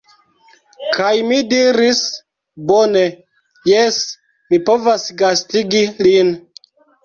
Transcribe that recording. Kaj mi diris: "Bone. Jes, mi povas gastigi lin."